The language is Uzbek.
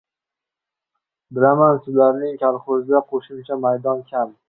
— Bilaman, sizlarning kolxozda qo‘shimcha maydon kam.